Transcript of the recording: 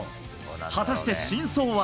果たして真相は。